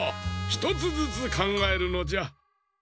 ひとつずつかんがえるのじゃ。